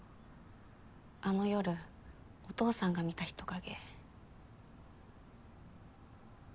あの夜お父さんが見た人影。